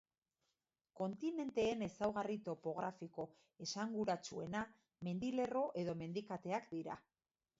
Kontinenteen ezaugarri topografiko esanguratsuena mendilerro edo mendikateak dira.